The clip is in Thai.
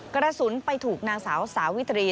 กระสุนไปถูกนางสาวสาวิตรี